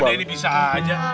nah ini bisa aja